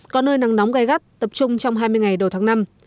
có nơi nắng nóng gai gắt tập trung trong hai mươi ngày đầu tháng năm